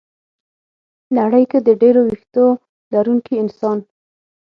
ه نړۍ کې د ډېرو وېښتو لرونکي انسان